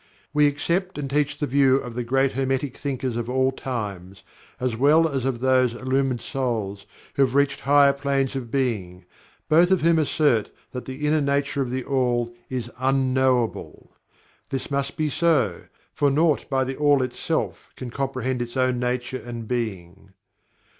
We accept and teach the view of the great Hermetic thinkers of all times, as well as of those illumined souls who have reached higher planes of being, both of whom assert that the inner nature of THE ALL is UNKNOWABLE. This must be so, for naught by THE ALL itself can comprehend its own nature and being.